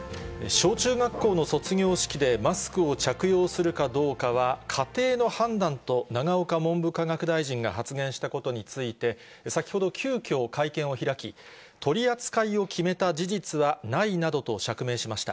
小中学校の卒業式でマスクを着用するかどうかは、家庭の判断と、永岡文部科学大臣が発言したことについて、先ほど急きょ、会見を開き、取り扱いを決めた事実はないなどと釈明しました。